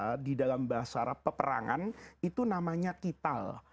padahal perlawanan bersenjata di dalam bahasa peperangan itu namanya qital